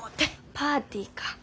パーティーか。